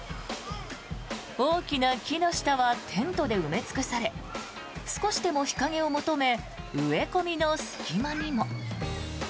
大きな木の下はテントで埋め尽くされ少しでも日陰を求め植え込みの隙間にも。